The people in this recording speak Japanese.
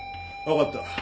わかった。